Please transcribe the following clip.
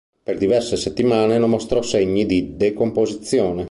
Per diverse settimane non mostrò segni di decomposizione.